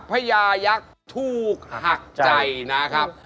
พญายักษ์ถูกหักใจนะครับ